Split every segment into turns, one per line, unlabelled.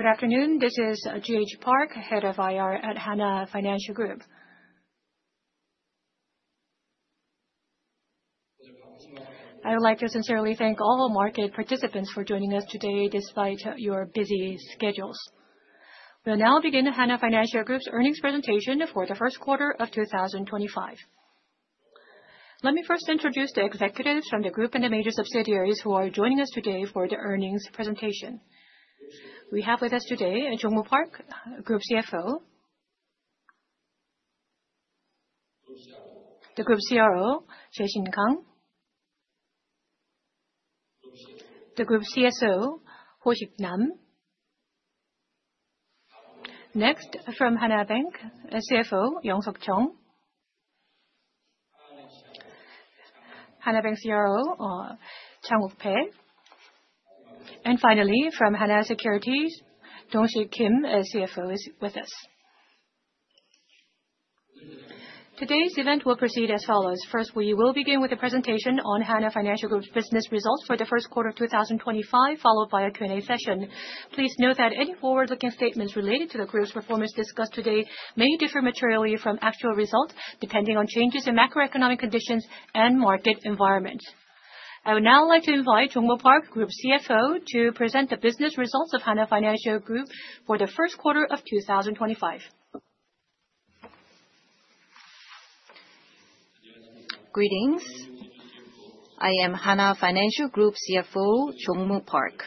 Good afternoon. This is GH Park, Head of IR at Hana Financial Group. I would like to sincerely thank all market participants for joining us today despite your busy schedules. We'll now begin Hana Financial Group's earnings presentation for the first quarter of 2025. Let me first introduce the executives from the group and the major subsidiaries who are joining us today for the earnings presentation. We have with us today Jong-moo Park, Group CFO; the Group CRO, Jae-shin Kang; the Group CSO, Ho-sik Nam; next, from Hana Bank, CFO, Young Seok Jeong; Hana Bank CRO, Chang Wook Pae; and finally, from Hana Securities, Dong Sik Kim, CFO, is with us. Today's event will proceed as follows. First, we will begin with a presentation on Hana Financial Group's business results for the first quarter of 2025, followed by a Q&A session. Please note that any forward-looking statements related to the group's performance discussed today may differ materially from actual results depending on changes in macroeconomic conditions and market environments. I would now like to invite Jong-moo Park, Group CFO, to present the business results of Hana Financial Group for the first quarter of 2025.
Greetings. I am Hana Financial Group CFO, Jong-moo Park.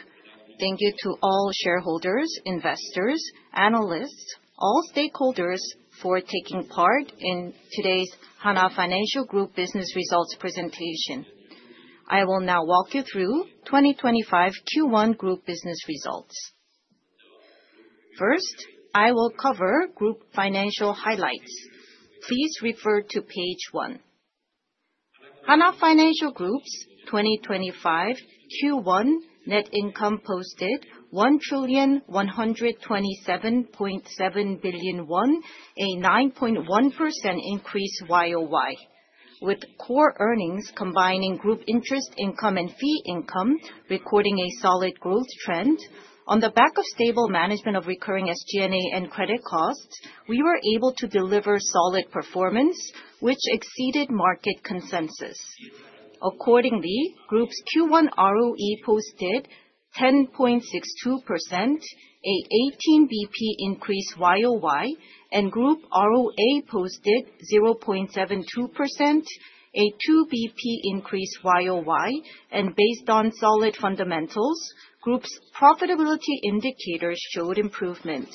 Thank you to all shareholders, investors, analysts, and all stakeholders for taking part in today's Hana Financial Group business results presentation. I will now walk you through 2025 Q1 Group business results. First, I will cover Group financial highlights. Please refer to page one. Hana Financial Group's 2025 Q1 net income posted 1,127.7 billion won, a 9.1% increase YoY, with core earnings combining group interest income and fee income recording a solid growth trend. On the back of stable management of recurring SG&A and credit costs, we were able to deliver solid performance, which exceeded market consensus. Accordingly, Group's Q1 ROE posted 10.62%, an 18 basis points increase YoY, and Group ROA posted 0.72%, a 2 basis points increase YoY. Based on solid fundamentals, Group's profitability indicators showed improvement.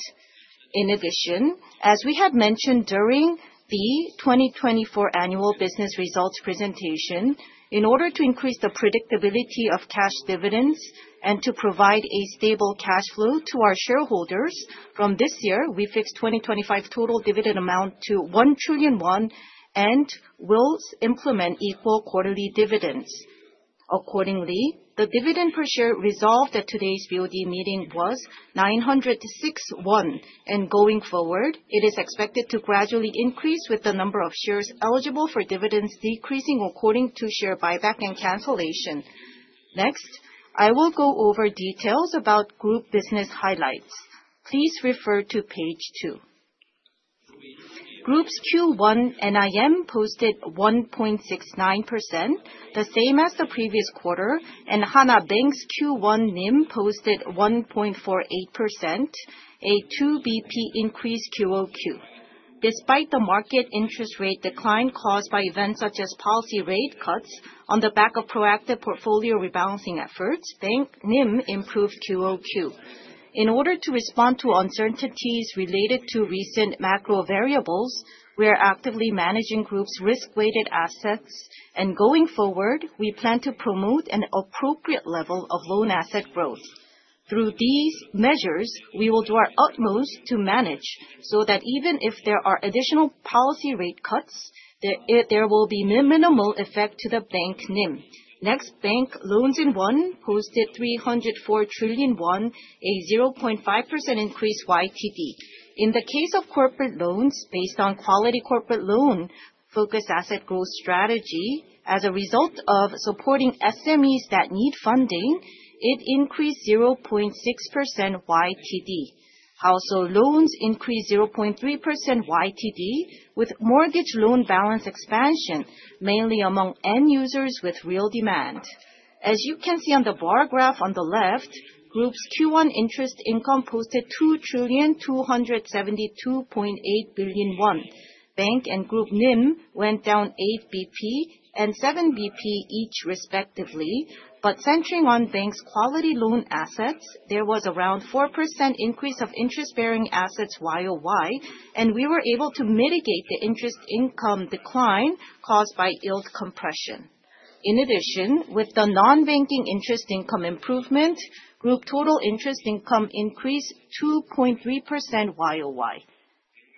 In addition, as we had mentioned during the 2024 annual business results presentation, in order to increase the predictability of cash dividends and to provide a stable cash flow to our shareholders, from this year, we fixed 2025 total dividend amount to 1 trillion won and will implement equal quarterly dividends. Accordingly, the dividend per share resolved at today's BOD meeting was 906, and going forward, it is expected to gradually increase with the number of shares eligible for dividends decreasing according to share buyback and cancellation. Next, I will go over details about Group business highlights. Please refer to page two. Group's Q1 NIM posted 1.69%, the same as the previous quarter, and Hana Bank's Q1 NIM posted 1.48%, a 2 basis points increase QoQ. Despite the market interest rate decline caused by events such as policy rate cuts, on the back of proactive portfolio rebalancing efforts, bank NIM improved QoQ. In order to respond to uncertainties related to recent macro variables, we are actively managing Group's risk-weighted assets, and going forward, we plan to promote an appropriate level of loan asset growth. Through these measures, we will do our utmost to manage so that even if there are additional policy rate cuts, there will be minimal effect to the bank NIM. Next, bank loans in won posted 304 trillion won, a 0.5% increase YTD. In the case of corporate loans, based on quality corporate loan-focused asset growth strategy, as a result of supporting SMEs that need funding, it increased 0.6% YTD. Household loans increased 0.3% YTD with mortgage loan balance expansion, mainly among end users with real demand. As you can see on the bar graph on the left, Group's Q1 interest income posted 2 trillion 272.8 billion. Bank and Group NIM went down 8 basis points and 7 basis points each, respectively, but centering on bank's quality loan assets, there was around 4% increase of interest-bearing assets YoY, and we were able to mitigate the interest income decline caused by yield compression. In addition, with the non-banking interest income improvement, Group total interest income increased 2.3% YoY.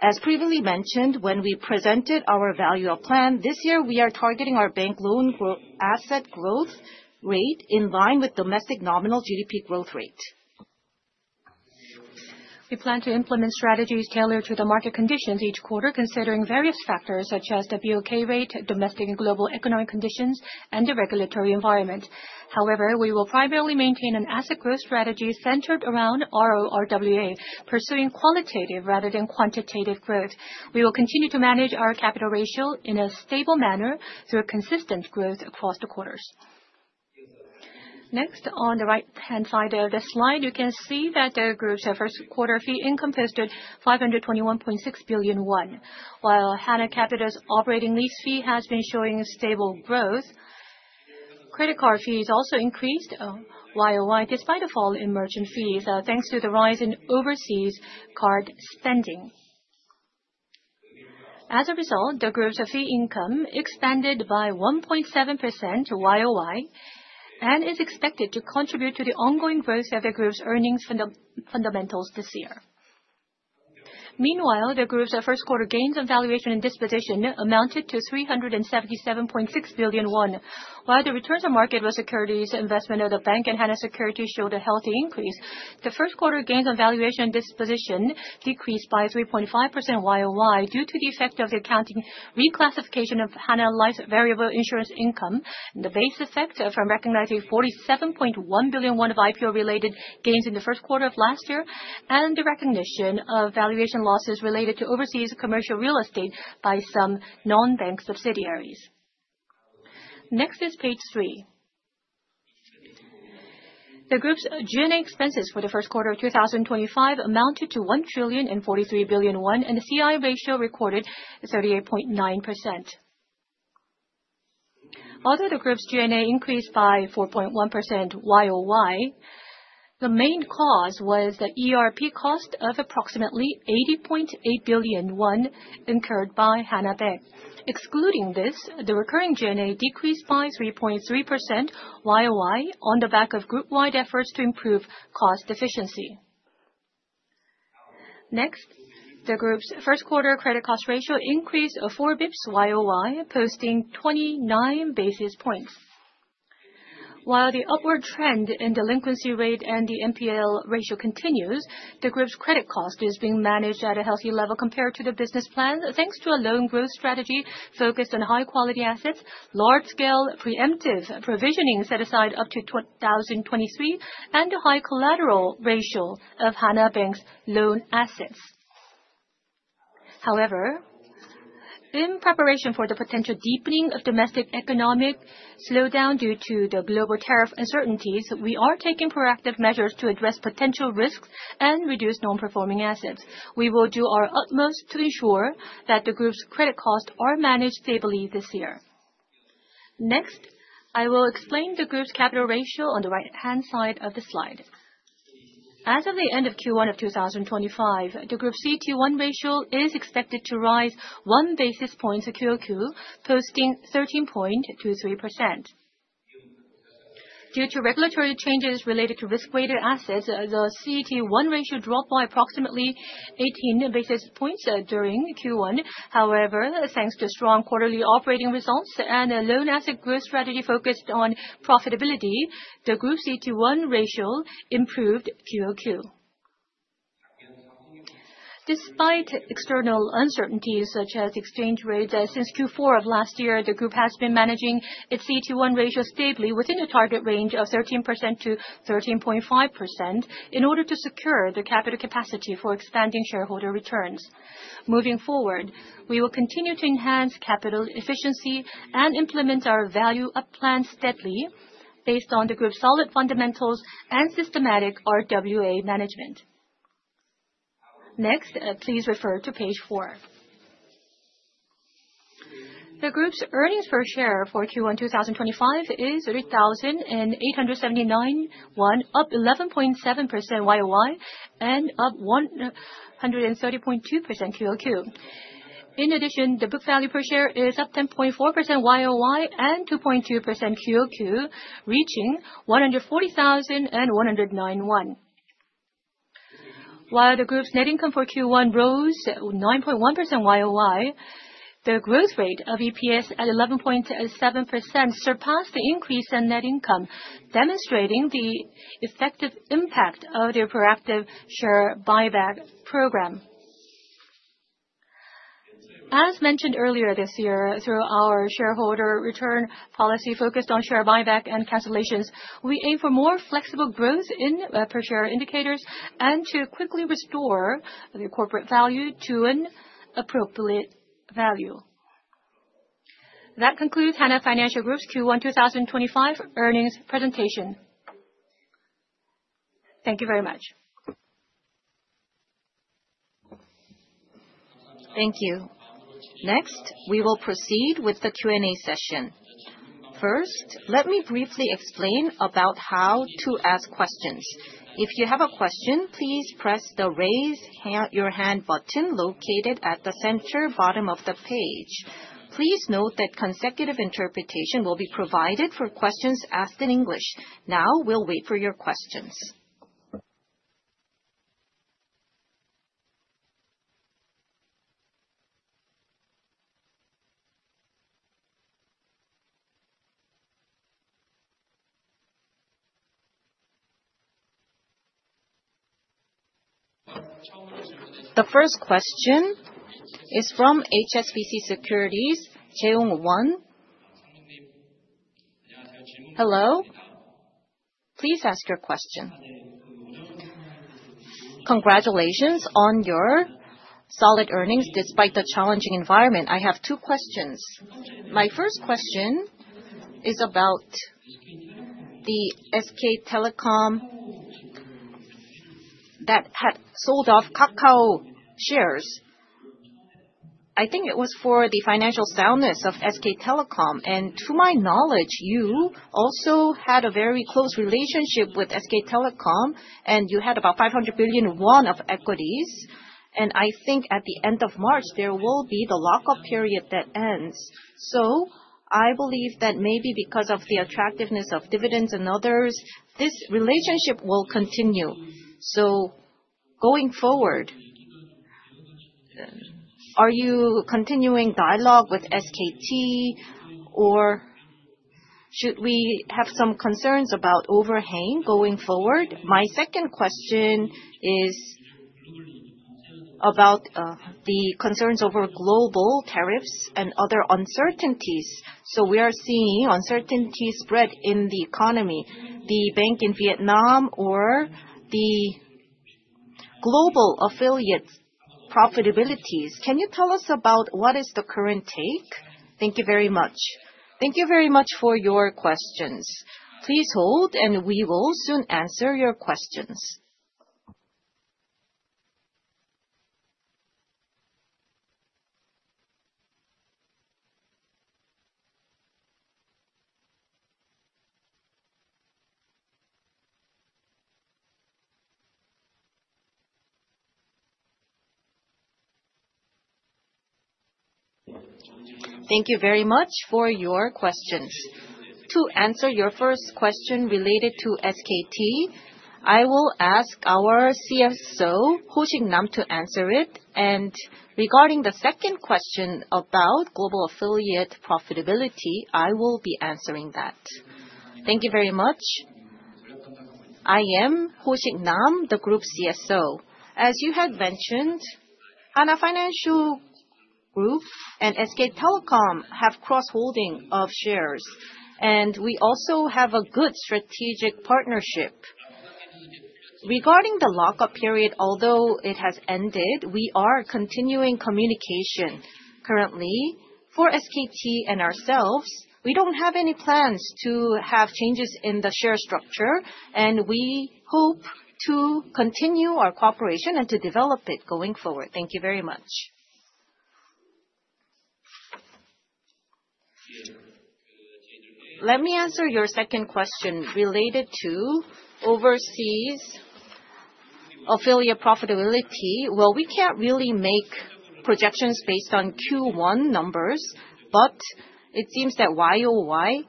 As previously mentioned, when we presented our Value-up plan, this year we are targeting our bank loan asset growth rate in line with domestic nominal GDP growth rate. We plan to implement strategies tailored to the market conditions each quarter, considering various factors such as the BoK rate, domestic and global economic conditions, and the regulatory environment. However, we will primarily maintain an asset growth strategy centered around RORWA, pursuing qualitative rather than quantitative growth. We will continue to manage our capital ratio in a stable manner through consistent growth across the quarters. Next, on the right-hand side of the slide, you can see that the Group's first quarter fee income posted 521.6 billion won, while Hana Capital's operating lease fee has been showing stable growth. Credit card fees also increased YoY despite a fall in merchant fees, thanks to the rise in overseas card spending. As a result, the Group's fee income expanded by 1.7% YoY and is expected to contribute to the ongoing growth of the Group's earnings fundamentals this year. Meanwhile, the Group's first quarter gains on valuation and disposition amounted to 377.6 billion won, while the returns on marketable securities investment of the bank and Hana Securities showed a healthy increase. The first quarter gains on valuation and disposition decreased by 3.5% YoY due to the effect of the accounting reclassification of Hana Life's variable insurance income, the base effect from recognizing 47.1 billion won of IPO-related gains in the first quarter of last year, and the recognition of valuation losses related to overseas commercial real estate by some non-bank subsidiaries. Next is page three. The Group's G&A expenses for the first quarter of 2025 amounted to 1.043 trillion, and the CI ratio recorded 38.9%. Although the Group's G&A increased by 4.1% YoY, the main cause was the ERP cost of approximately 80.8 billion won incurred by Hana Bank. Excluding this, the recurring G&A decreased by 3.3% YoY on the back of group-wide efforts to improve cost efficiency. Next, the Group's first quarter credit cost ratio increased 4 basis points YoY, posting 29 basis points. While the upward trend in delinquency rate and the NPL ratio continues, the Group's credit cost is being managed at a healthy level compared to the business plan, thanks to a loan growth strategy focused on high-quality assets, large-scale preemptive provisioning set aside up to 2023, and a high collateral ratio of Hana Bank's loan assets. However, in preparation for the potential deepening of domestic economic slowdown due to the global tariff uncertainties, we are taking proactive measures to address potential risks and reduce non-performing assets. We will do our utmost to ensure that the Group's credit costs are managed stably this year. Next, I will explain the Group's capital ratio on the right-hand side of the slide. As of the end of Q1 of 2025, the Group's CET1 ratio is expected to rise 1 basis point QoQ, posting 13.23%. Due to regulatory changes related to risk-weighted assets, the CET1 ratio dropped by approximately 18 basis points during Q1. However, thanks to strong quarterly operating results and a loan asset growth strategy focused on profitability, the Group's CET1 ratio improved QoQ. Despite external uncertainties such as exchange rates since Q4 of last year, the Group has been managing its CET1 ratio stably within the target range of 13%-13.5% in order to secure the capital capacity for expanding shareholder returns. Moving forward, we will continue to enhance capital efficiency and implement our value-up plans steadily based on the Group's solid fundamentals and systematic RWA management. Next, please refer to page 4. The Group's earnings per share for Q1 2025 is 3,879 won, up 11.7% YoY and up 130.2% QoQ. In addition, the book value per share is up 10.4% YoY and 2.2% QoQ, reaching 140,109. While the Group's net income for Q1 rose 9.1% YoY, the growth rate of EPS at 11.7% surpassed the increase in net income, demonstrating the effective impact of their proactive share buyback program. As mentioned earlier this year, through our shareholder return policy focused on share buyback and cancellations, we aim for more flexible growth in per-share indicators and to quickly restore the corporate value to an appropriate value. That concludes Hana Financial Group's Q1 2025 earnings presentation. Thank you very much.
Thank you. Next, we will proceed with the Q&A session. First, let me briefly explain about how to ask questions. If you have a question, please press the Raise Your Hand button located at the center bottom of the page. Please note that consecutive interpretation will be provided for questions asked in English. Now, we'll wait for your questions. The first question is from HSBC Securities, Jong-won. Hello. Please ask your question.
Congratulations on your solid earnings despite the challenging environment. I have two questions. My first question is about the SK Telecom that had sold off Kakao shares. I think it was for the financial soundness of SK Telecom. To my knowledge, you also had a very close relationship with SK Telecom, and you had about 500 billion won of equities. I think at the end of March, there will be the lockup period that ends. I believe that maybe because of the attractiveness of dividends and others, this relationship will continue. Going forward, are you continuing dialogue with SK Telecom, or should we have some concerns about overhang going forward? My second question is about the concerns over global tariffs and other uncertainties. We are seeing uncertainty spread in the economy. The bank in Vietnam or the global affiliate profitabilities, can you tell us about what is the current take? Thank you very much.
Thank you very much for your questions. Please hold, and we will soon answer your questions.
Thank you very much for your questions. To answer your first question related to SK Telecom, I will ask our CSO, Ho-sik Nam, to answer it. Regarding the second question about global affiliate profitability, I will be answering that.
Thank you very much. I am Ho-sik Nam, the Group CSO. As you had mentioned, Hana Financial Group and SK Telecom have cross-holding of shares, and we also have a good strategic partnership. Regarding the lockup period, although it has ended, we are continuing communication currently for SK Telecom and ourselves. We do not have any plans to have changes in the share structure, and we hope to continue our cooperation and to develop it going forward. Thank you very much.
Let me answer your second question related to overseas affiliate profitability. I mean, we cannot really make projections based on Q1 numbers, but it seems that YoY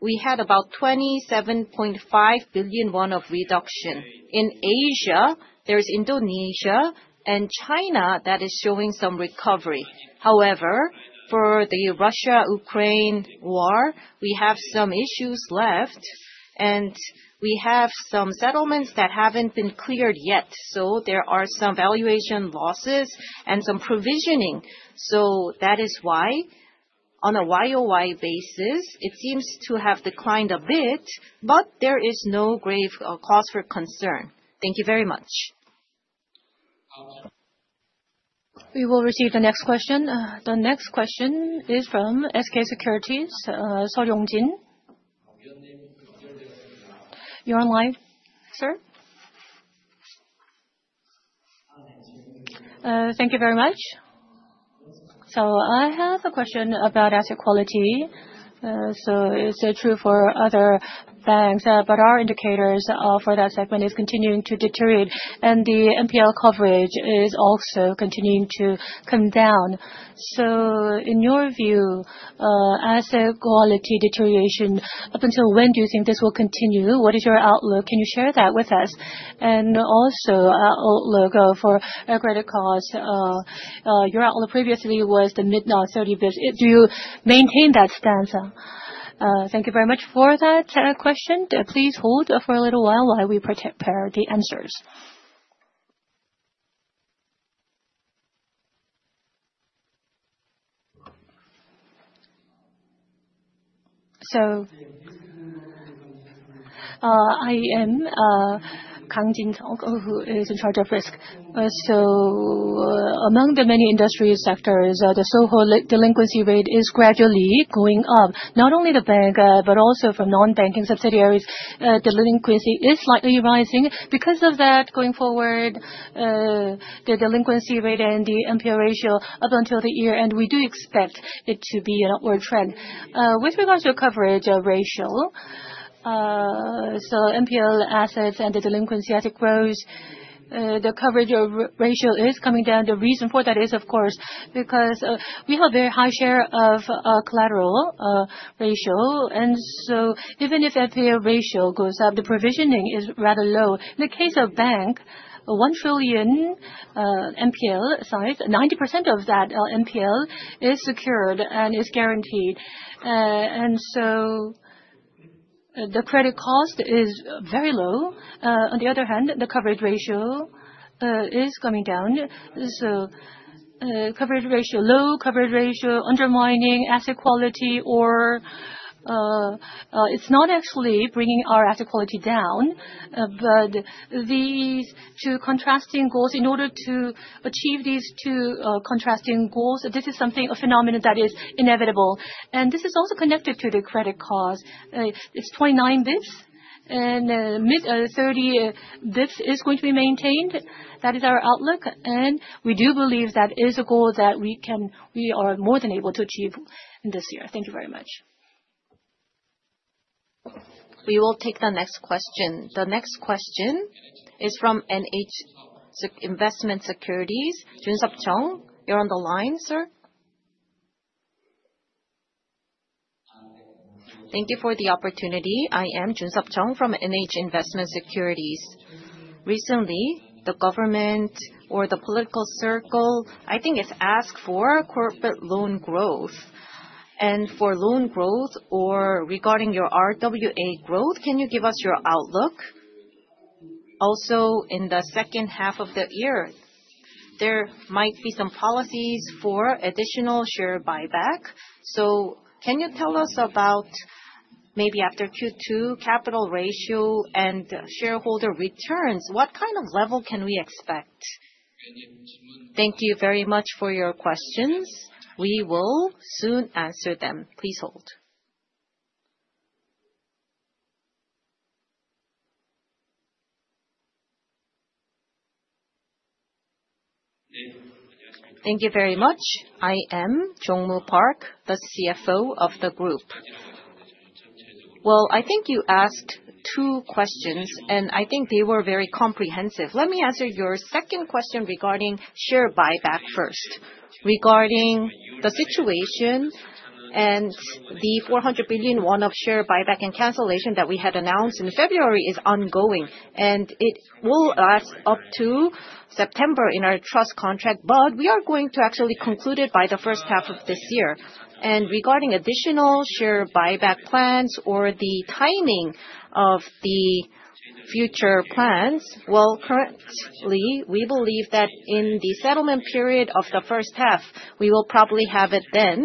we had about 27.5 billion won of reduction. In Asia, there is Indonesia and China that is showing some recovery. However, for the Russia-Ukraine war, we have some issues left, and we have some settlements that have not been cleared yet. There are some valuation losses and some provisioning. That is why on a YoY basis, it seems to have declined a bit, but there is no grave cause for concern. Thank you very much.
We will receive the next question. The next question is from SK Securities, Seol Yong-jin. You're online, sir?
Thank you very much. I have a question about asset quality. It is true for other banks, but our indicators for that segment are continuing to deteriorate, and the NPL coverage is also continuing to come down. In your view, asset quality deterioration, up until when do you think this will continue? What is your outlook? Can you share that with us? Also, outlook for credit costs. Your outlook previously was the mid-30 basis points. Do you maintain that stance?
Thank you very much for that question. Please hold for a little while while we prepare the answers.
I am Kang Jae-shin, who is in charge of risk. Among the many industry sectors, the SOHO delinquency rate is gradually going up. Not only the bank, but also from non-banking subsidiaries, delinquency is slightly rising. Because of that, going forward, the delinquency rate and the NPL ratio up until the year, and we do expect it to be an upward trend. With regards to coverage ratio, so NPL assets and the delinquency asset growth, the coverage ratio is coming down. The reason for that is, of course, because we have a very high share of collateral ratio. Even if NPL ratio goes up, the provisioning is rather low. In the case of bank, 1 trillion NPL size, 90% of that NPL is secured and is guaranteed. The credit cost is very low. On the other hand, the coverage ratio is coming down. Coverage ratio low, coverage ratio undermining asset quality, or it's not actually bringing our asset quality down, but these two contrasting goals, in order to achieve these two contrasting goals, this is something, a phenomenon that is inevitable. This is also connected to the credit cost. It's 0.9 basis points, and mid-30 basis points is going to be maintained. That is our outlook, and we do believe that is a goal that we are more than able to achieve this year. Thank you very much.
We will take the next question. The next question is from NH Investment & Securities, Jun-Sup Jung. You're on the line, sir?
Thank you for the opportunity. I am Jun-Sup Jung from NH Investment & Securities. Recently, the government or the political circle, I think, has asked for corporate loan growth. For loan growth or regarding your RWA growth, can you give us your outlook? Also, in the second half of the year, there might be some policies for additional share buyback. Can you tell us about maybe after Q2 capital ratio and shareholder returns, what kind of level can we expect?
Thank you very much for your questions. We will soon answer them. Please hold.
Thank you very much. I am Jong-moo Park, the CFO of the group. I think you asked two questions, and I think they were very comprehensive. Let me answer your second question regarding share buyback first. Regarding the situation and the 400 billion won of share buyback and cancellation that we had announced in February is ongoing, and it will last up to September in our trust contract, but we are going to actually conclude it by the first half of this year. Regarding additional share buyback plans or the timing of the future plans, currently, we believe that in the settlement period of the first half, we will probably have it then.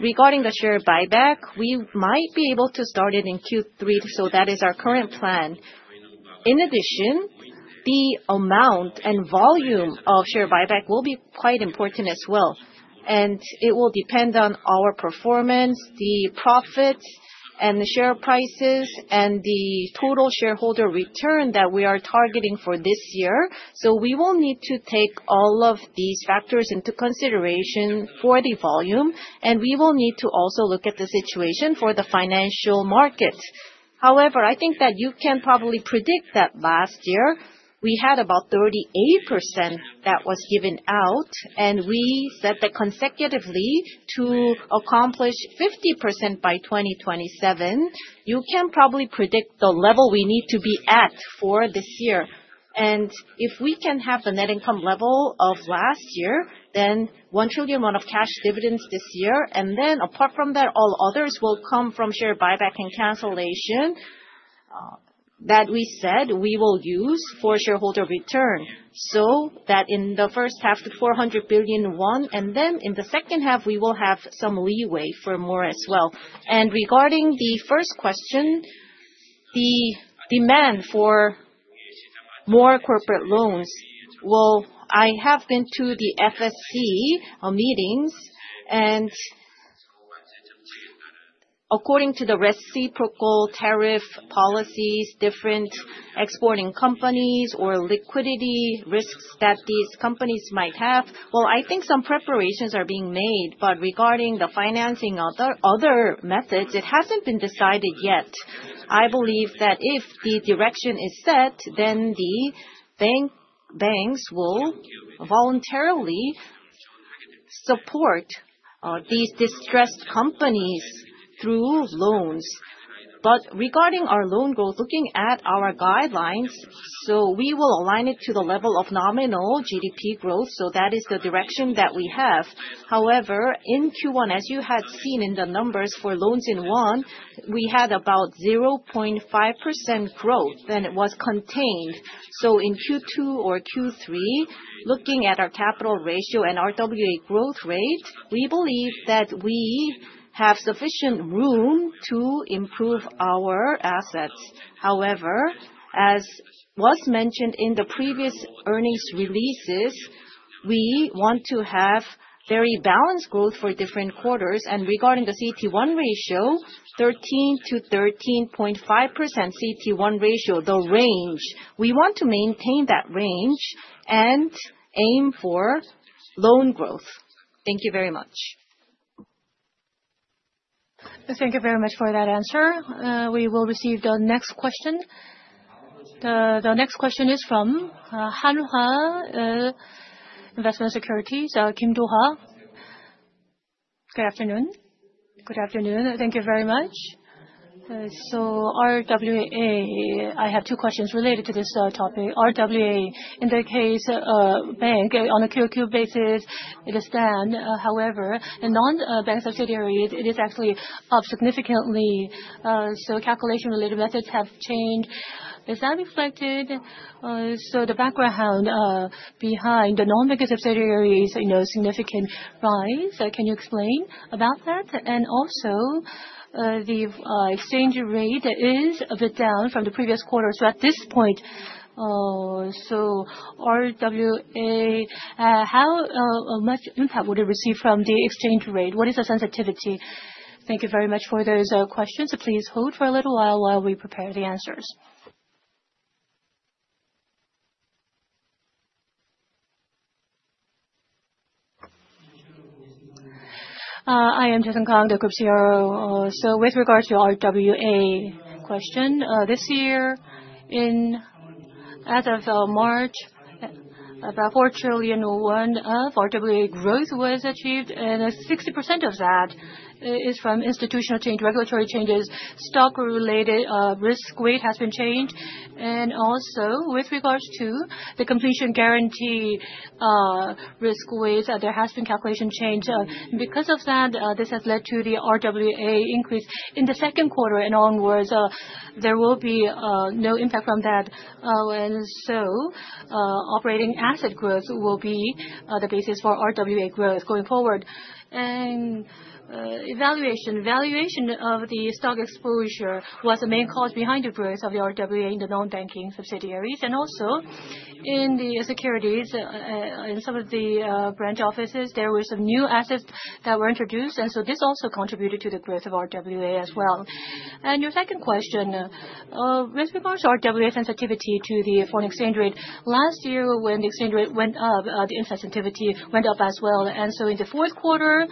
Regarding the share buyback, we might be able to start it in Q3, so that is our current plan. In addition, the amount and volume of share buyback will be quite important as well. It will depend on our performance, the profits, and the share prices, and the total shareholder return that we are targeting for this year. We will need to take all of these factors into consideration for the volume, and we will need to also look at the situation for the financial markets. However, I think that you can probably predict that last year we had about 38% that was given out, and we set the consecutively to accomplish 50% by 2027. You can probably predict the level we need to be at for this year. If we can have the net income level of last year, then 1 trillion won of cash dividends this year, and then apart from that, all others will come from share buyback and cancellation that we said we will use for shareholder return. In the first half, the 400 billion won, and then in the second half, we will have some leeway for more as well. Regarding the first question, the demand for more corporate loans, I have been to the FSC meetings, and according to the reciprocal tariff policies, different exporting companies or liquidity risks that these companies might have, I think some preparations are being made. Regarding the financing of other methods, it has not been decided yet. I believe that if the direction is set, then the banks will voluntarily support these distressed companies through loans. Regarding our loan growth, looking at our guidelines, we will align it to the level of nominal GDP growth, so that is the direction that we have. However, in Q1, as you had seen in the numbers for loans in won, we had about 0.5% growth, and it was contained. In Q2 or Q3, looking at our capital ratio and RWA growth rate, we believe that we have sufficient room to improve our assets. However, as was mentioned in the previous earnings releases, we want to have very balanced growth for different quarters. Regarding the CET1 ratio, 13%-13.5% CET1 ratio, the range, we want to maintain that range and aim for loan growth. Thank you very much.
Thank you very much for that answer. We will receive the next question. The next question is from Hanwha Investment & Securities, Kim Do-ha.
Good afternoon. Good afternoon. Thank you very much. RWA, I have two questions related to this topic. RWA, in the case of bank, on a Q2 basis, it is down. However, in non-bank subsidiaries, it is actually up significantly. Calculation-related methods have changed. Is that reflected? The background behind the non-bank subsidiaries is a significant rise. Can you explain about that? Also, the exchange rate is a bit down from the previous quarter. At this point, RWA, how much impact would it receive from the exchange rate? What is the sensitivity?
Thank you very much for those questions. Please hold for a little while while we prepare the answers.
I am Jae-shin Kang, the Group CRO. With regards to the RWA question, this year, as of March, about 4 trillion won of RWA growth was achieved, and 60% of that is from institutional change, regulatory changes. Stock-related risk weight has been changed. Also, with regards to the completion guarantee risk weight, there has been calculation change. Because of that, this has led to the RWA increase. In the second quarter and onwards, there will be no impact from that. Operating asset growth will be the basis for RWA growth going forward. Valuation of the stock exposure was the main cause behind the growth of the RWA in the non-banking subsidiaries. Also, in the securities, in some of the branch offices, there were some new assets that were introduced, and this also contributed to the growth of RWA as well. Your second question, with regards to RWA sensitivity to the foreign exchange rate, last year when the exchange rate went up, the sensitivity went up as well. In the fourth quarter,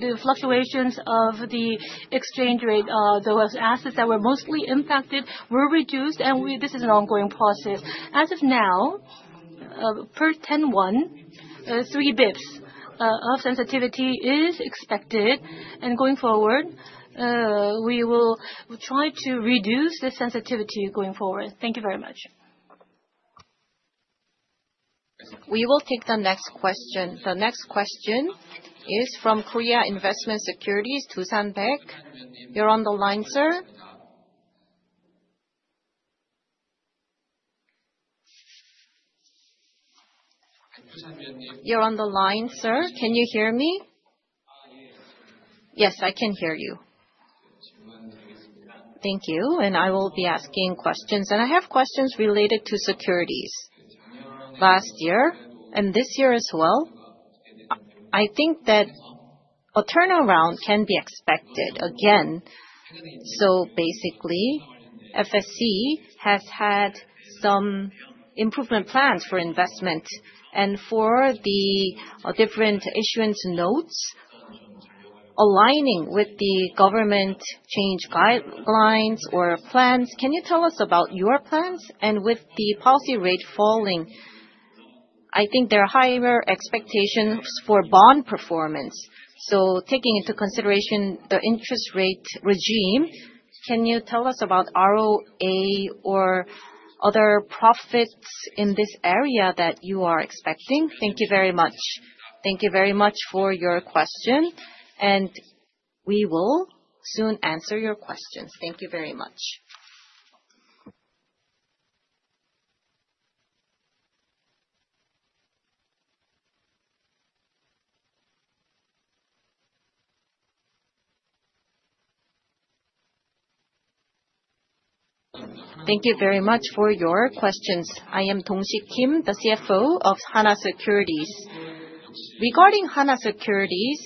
the fluctuations of the exchange rate, those assets that were mostly impacted were reduced, and this is an ongoing process. As of now, per 10-1, three basis points of sensitivity is expected, and going forward, we will try to reduce the sensitivity going forward. Thank you very much.
We will take the next question. The next question is from Korea Investment & Securities, Doo-san Baek. You're on the line, sir?
Can you hear me?
Yes, I can hear you.
Thank you. I will be asking questions, and I have questions related to securities. Last year and this year as well, I think that a turnaround can be expected again. FSC has had some improvement plans for investment, and for the different issuance notes, aligning with the government change guidelines or plans, can you tell us about your plans? With the policy rate falling, I think there are higher expectations for bond performance. Taking into consideration the interest rate regime, can you tell us about ROA or other profits in this area that you are expecting? Thank you very much.
Thank you very much for your question, and we will soon answer your questions. Thank you very much.
I am Dong Sik Kim, the CFO of Hana Securities. Regarding Hana Securities,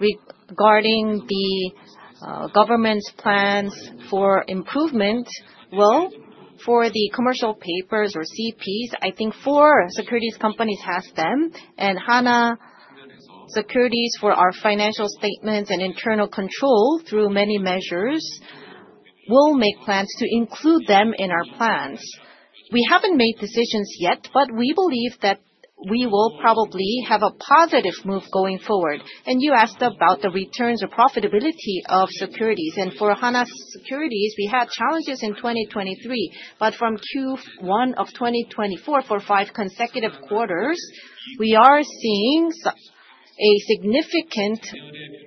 regarding the government's plans for improvement, for the commercial papers or CPs, I think four securities companies have them, and Hana Securities for our financial statements and internal control through many measures will make plans to include them in our plans. We haven't made decisions yet, but we believe that we will probably have a positive move going forward. You asked about the returns or profitability of securities. For Hana Securities, we had challenges in 2023, but from Q1 of 2024, for five consecutive quarters, we are seeing a significant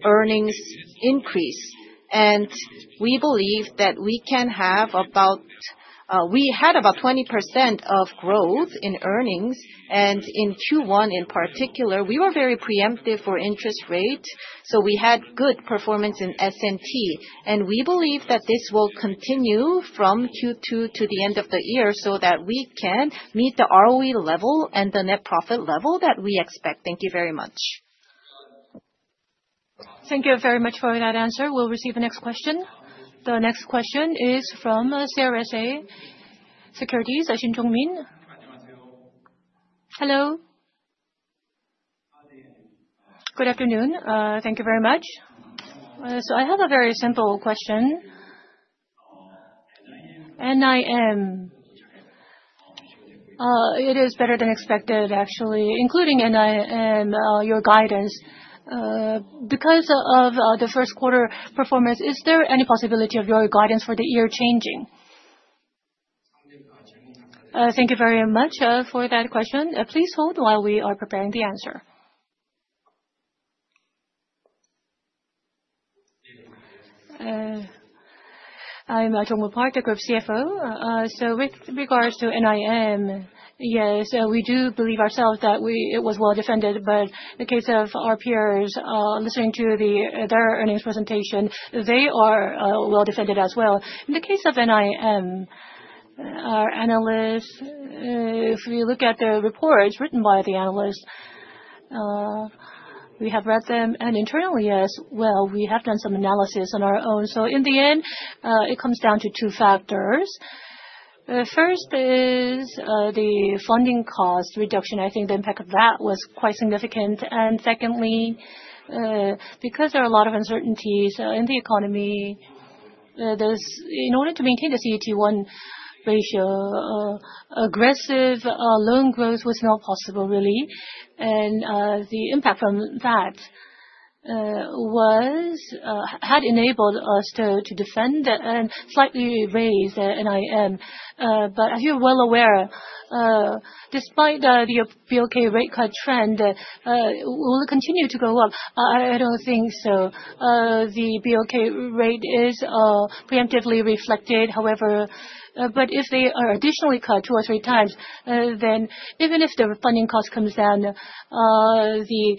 earnings increase. We believe that we can have about, we had about 20% of growth in earnings, and in Q1 in particular, we were very preemptive for interest rate, so we had good performance in S&T. We believe that this will continue from Q2 to the end of the year so that we can meet the ROE level and the net profit level that we expect. Thank you very much.
Thank you very much for that answer. We'll receive the next question. The next question is from CLSA Securities. Hello. Good afternoon. Thank you very much. I have a very simple question. NIM. It is better than expected, actually, including NIM, your guidance. Because of the first quarter performance, is there any possibility of your guidance for the year changing? Thank you very much for that question. Please hold while we are preparing the answer.
I'm Jong-moo Park, the Group CFO. With regards to NIM, yes, we do believe ourselves that it was well defended, but in the case of our peers, listening to their earnings presentation, they are well defended as well. In the case of NIM, our analysts, if we look at the reports written by the analysts, we have read them, and internally, as well, we have done some analysis on our own. In the end, it comes down to two factors. First is the funding cost reduction. I think the impact of that was quite significant. Secondly, because there are a lot of uncertainties in the economy, in order to maintain the CET1 ratio, aggressive loan growth was not possible, really. The impact from that had enabled us to defend and slightly raise NIM. As you're well aware, despite the BoK rate cut trend, will it continue to go up? I don't think so. The BoK rate is preemptively reflected. However, if they are additionally cut two or three times, then even if the funding cost comes down, the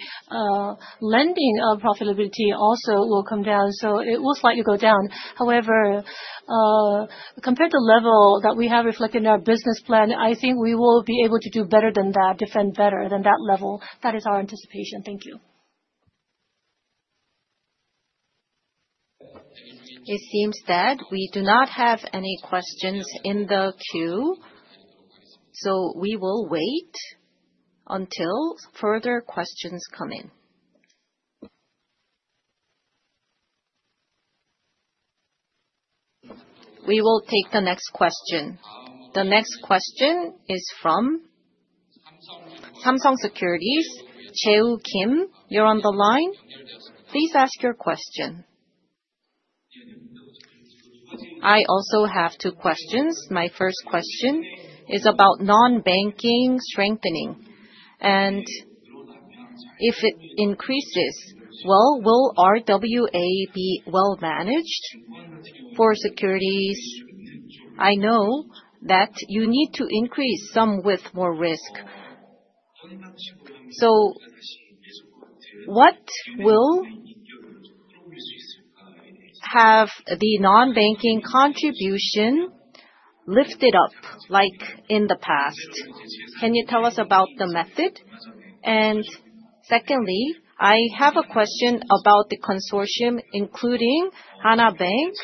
lending profitability also will come down, so it will slightly go down. However, compared to the level that we have reflected in our business plan, I think we will be able to do better than that, defend better than that level. That is our anticipation. Thank you.
It seems that we do not have any questions in the queue, so we will wait until further questions come in. We will take the next question. The next question is from Samsung Securities, Jae-woo Kim. You're on the line. Please ask your question.
I also have two questions. My first question is about non-banking strengthening. And if it increases, will RWA be well managed for securities? I know that you need to increase some with more risk. What will have the non-banking contribution lifted up like in the past? Can you tell us about the method? Secondly, I have a question about the consortium including Hana Bank.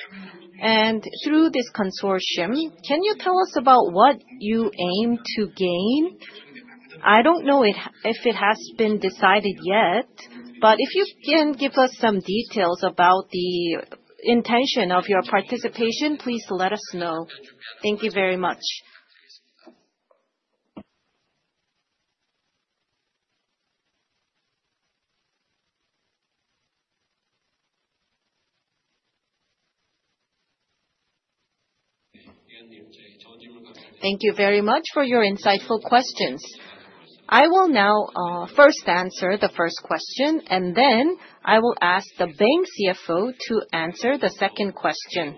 Through this consortium, can you tell us about what you aim to gain? I don't know if it has been decided yet, but if you can give us some details about the intention of your participation, please let us know. Thank you very much.
Thank you very much for your insightful questions. I will now first answer the first question, and then I will ask the Bank CFO to answer the second question.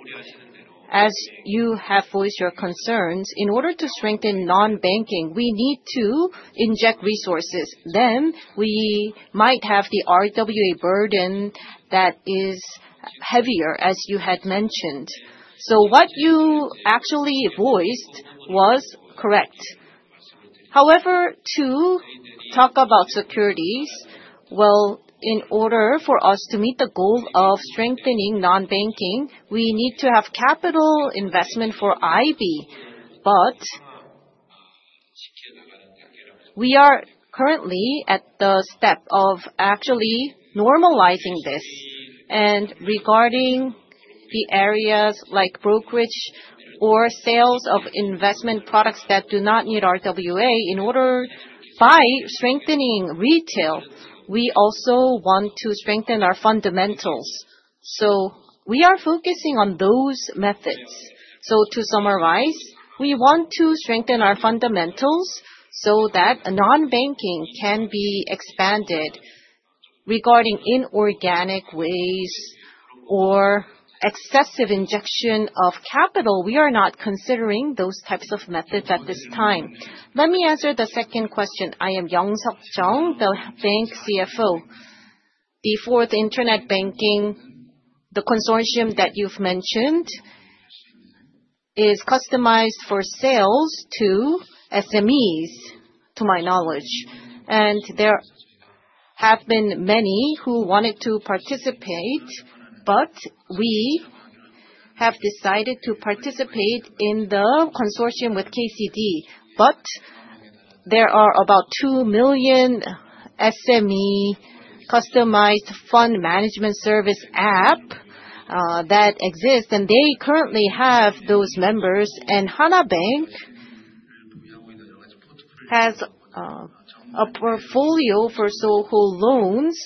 As you have voiced your concerns, in order to strengthen non-banking, we need to inject resources. We might have the RWA burden that is heavier, as you had mentioned. What you actually voiced was correct. However, to talk about securities, in order for us to meet the goal of strengthening non-banking, we need to have capital investment for IB. We are currently at the step of actually normalizing this. Regarding the areas like brokerage or sales of investment products that do not need RWA, in order by strengthening retail, we also want to strengthen our fundamentals. We are focusing on those methods. To summarize, we want to strengthen our fundamentals so that non-banking can be expanded. Regarding inorganic ways or excessive injection of capital, we are not considering those types of methods at this time.
Let me answer the second question. I am Young Seok Jeong, the Bank CFO. The fourth internet banking, the consortium that you have mentioned, is customized for sales to SMEs, to my knowledge. There have been many who wanted to participate, but we have decided to participate in the consortium with KCD. There are about 2 million SME customized fund management service apps that exist, and they currently have those members. Hana Bank has a portfolio for SOHO Loans.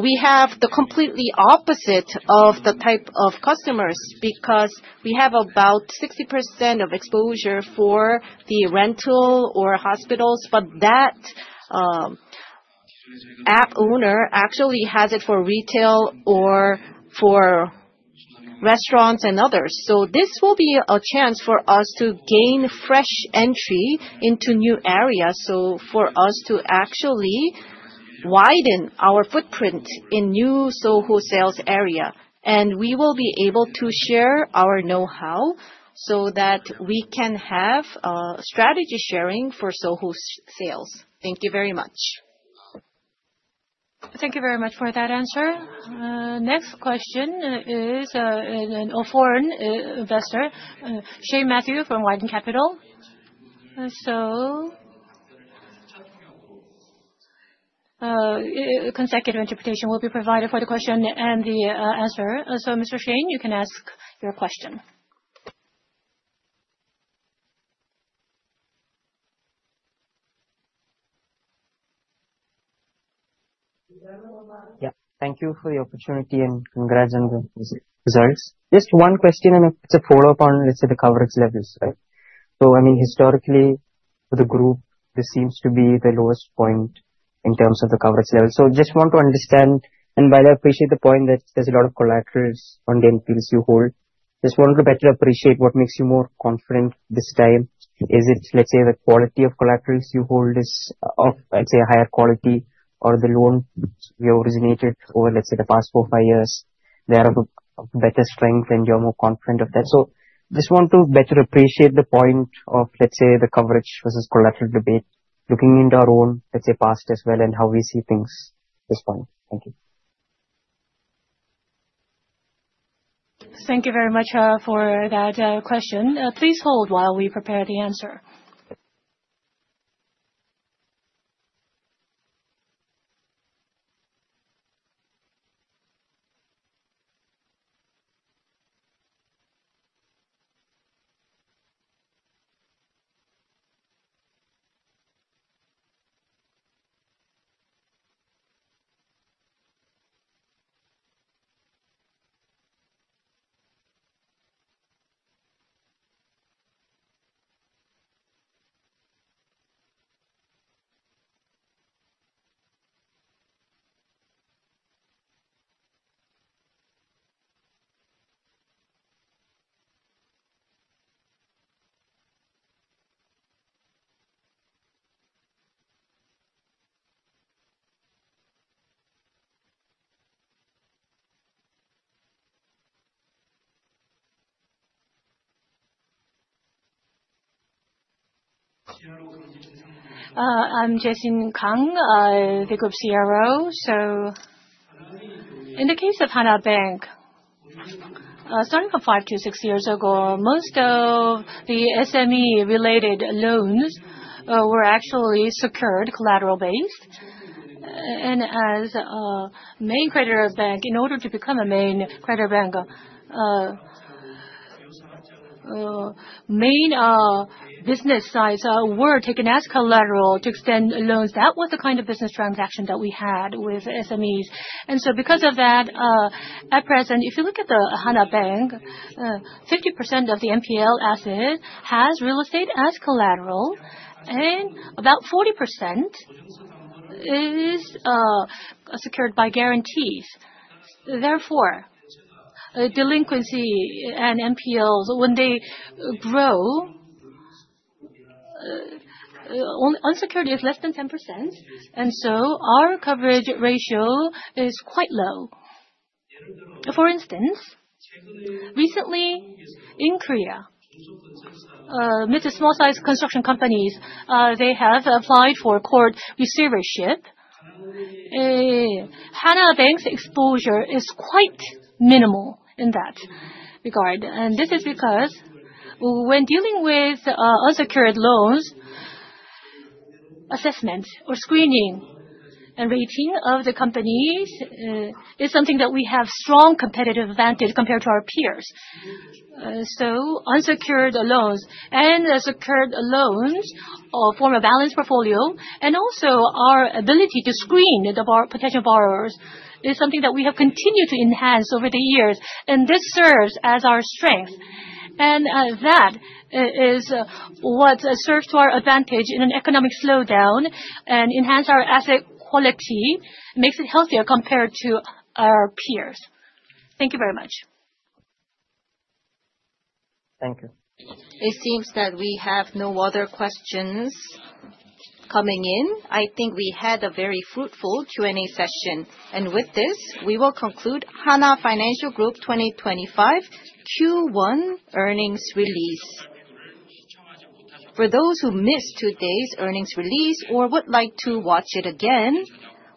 We have the completely opposite of the type of customers because we have about 60% of exposure for the rental or hospitals, but that app owner actually has it for retail or for restaurants and others. This will be a chance for us to gain fresh entry into new areas for us to actually widen our footprint in new SOHO sales area. We will be able to share our know-how so that we can have strategy sharing for SOHO sales. Thank you very much.
Thank you very much for that answer. Next question is a foreign investor, Shane Matthews from Widen Capital. Consecutive interpretation will be provided for the question and the answer. Mr. Shane, you can ask your question. Yep. Thank you for the opportunity and congrats on the results. Just one question, and it's a follow-up on, let's say, the coverage levels, right? I mean, historically, for the group, this seems to be the lowest point in terms of the coverage level. I just want to understand, and by the way, I appreciate the point that there's a lot of collaterals on the NPLs you hold. I just want to better appreciate what makes you more confident this time. Is it, let's say, the quality of collaterals you hold is of, let's say, a higher quality or the loan you originated over, let's say, the past four or five years? They are of better strength, and you're more confident of that. I just want to better appreciate the point of, let's say, the coverage versus collateral debate, looking into our own, let's say, past as well and how we see things at this point. Thank you. Thank you very much for that question. Please hold while we prepare the answer.
I'm Jae-shin Kang, the Group CRO. In the case of Hana Bank, starting from five to six years ago, most of the SME-related loans were actually secured collateral-based. As a main creditor bank, in order to become a main creditor bank, main business sites were taken as collateral to extend loans. That was the kind of business transaction that we had with SMEs. Because of that, at present, if you look at Hana Bank, 50% of the NPL asset has real estate as collateral, and about 40% is secured by guarantees. Therefore, delinquency and NPLs, when they grow, unsecured is less than 10%, and our coverage ratio is quite low. For instance, recently in Korea, small-sized construction companies have applied for court receivership. Hana Bank's exposure is quite minimal in that regard. This is because when dealing with unsecured loans, assessment or screening and rating of the companies is something that we have strong competitive advantage compared to our peers. Unsecured loans and secured loans form a balanced portfolio, and also our ability to screen the potential borrowers is something that we have continued to enhance over the years, and this serves as our strength. That is what serves to our advantage in an economic slowdown and enhances our asset quality, makes it healthier compared to our peers. Thank you very much. Thank you.
It seems that we have no other questions coming in. I think we had a very fruitful Q&A session. With this, we will conclude Hana Financial Group 2025 Q1 earnings release. For those who missed today's earnings release or would like to watch it again,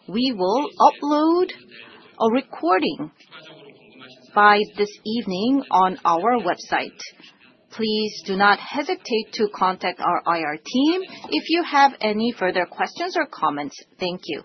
we will upload a recording by this evening on our website. Please do not hesitate to contact our IR team if you have any further questions or comments. Thank you.